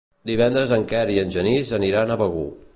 Divendres en Quer i en Genís aniran a Begur.